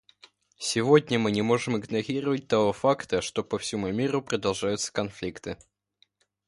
Сегодня мы не можем игнорировать того факта, что по всему миру продолжаются конфликты.